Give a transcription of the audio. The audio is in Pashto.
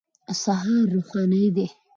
سهار روښنايي دی.